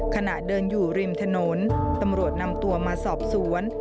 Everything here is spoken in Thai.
ขณะเดินอยู่ริมถนนตำรวจนำตัวมาสอบสวน